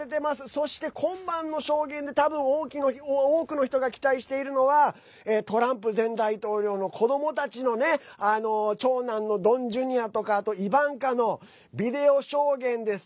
そして、今晩の証言でたぶん、多くの人が期待しているのはトランプ前大統領の子どもたちの長男のドン・ジュニアとかあとイバンカのビデオ証言です。